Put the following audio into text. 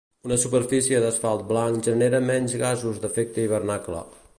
Una superfície d'asfalt blanc genera menys gasos d'efecte hivernacle.